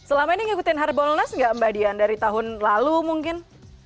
selama ini ngikutin harbolnas nggak mbak dian dari tahun lalu mungkin